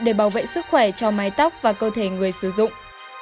để bảo vệ sức khỏe cho mái tóc và cơ thể người sử dụng